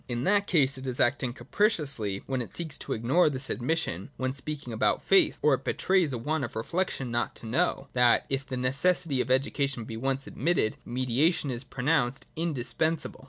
In that case it is acting capriciously when it seeks to ignore this admission when speaking about faith, or it betrays a want of reflection not to know, that, if the necessity of education be once ad mitted, mediation is pronounced indispensable.